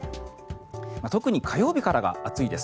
特に火曜日からが暑いです。